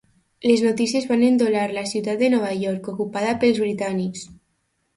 Les notícies van endolar la ciutat de Nova York, ocupada pels britànics.